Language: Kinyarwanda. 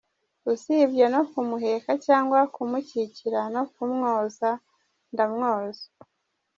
Usibye no kumuheka cyangwa kumukikira no kumwoza ndamwoza.